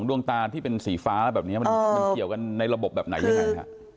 ดวงตาที่เป็นสีฟ้าแบบนี้มันเกี่ยวกันในระบบแบบไหนยังไงฮะ